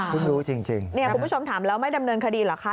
คุณผู้ชมถามแล้วไม่ดำเนินคดีหรือคะ